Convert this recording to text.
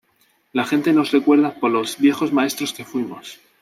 La gente nos recuerda por los viejos maestros que fuimos.